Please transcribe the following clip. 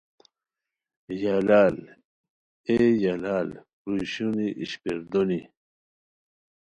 یا لال ائے یہ لال کروئی شونی اشپیر دونی